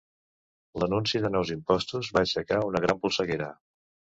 L'anunci de nous impostos va aixecar una gran polseguera.